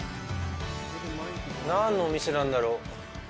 何のお店なんだろう。